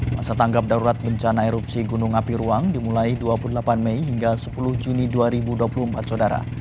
masa tanggap darurat bencana erupsi gunung api ruang dimulai dua puluh delapan mei hingga sepuluh juni dua ribu dua puluh empat saudara